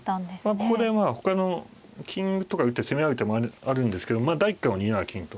ここでまあ他の金とか打って攻め合う手もあるんですけど第一感は２七金と。